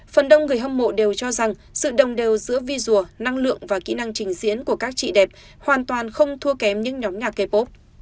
phần đông người hâm mộ đều cho rằng sự đồng đều giữa visual năng lượng và kỹ năng trình diễn của các trị đẹp hoàn toàn không thua kém những nhóm nhạc k pop